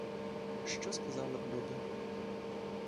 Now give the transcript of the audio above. Що сказали б люди?